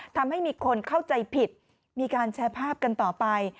ทำให้มีคนเข้าใจผิดมีการแชร์ภาพกันต่อไป